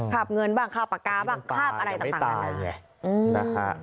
ข้าวเงินบ้างข้าวปากก้าบ้าง